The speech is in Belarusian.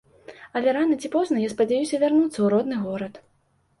Але рана ці позна я спадзяюся вярнуцца ў родны горад.